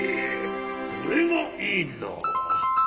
これがいいんだ。